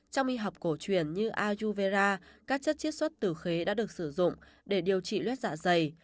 trong y học cổ truyền như ajuvera các chất chiết xuất từ khế đã được sử dụng để điều trị lét dạ dày